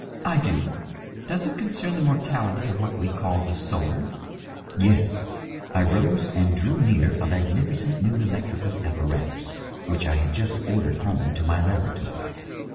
" I do. Does it concern the mortality of what we call the soul ?"" Yes." I rose and drew near a magnificent new electrical appa ratus which I had just ordered home to my laboratory.